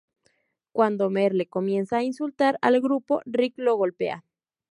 Cuando Merle comienza a insultar al grupo, Rick lo golpea.